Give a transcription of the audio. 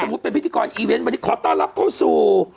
ถ้าสมมุติเป็นพิธีกรอีเวนที่ขอต้อนรับเข้าสู่